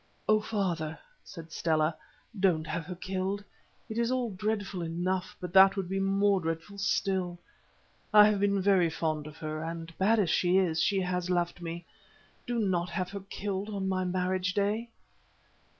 "Oh, father," said Stella, "don't have her killed. It is all dreadful enough, but that would be more dreadful still. I have been very fond of her, and, bad as she is, she has loved me. Do not have her killed on my marriage day."